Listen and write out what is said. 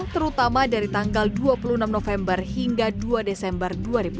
terutama dari tanggal dua puluh enam november hingga dua desember dua ribu dua puluh